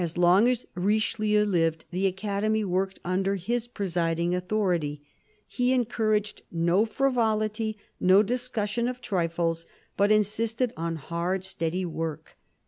As long as Richelieu lived the Academy worked under his presiding authority. He encouraged no frivolity, no discussion of trifles, but insisted on hard, steady work.